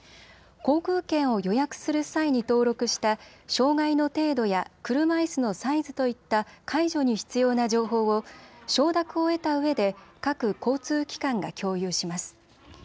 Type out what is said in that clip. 航空券を予約する際に登録した障害の程度や車いすのサイズといった介助に必要な情報を承諾を得たうえで各交通機関が共有します。